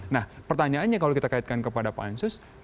nah pertanyaannya kalau kita kaitkan kepada pansus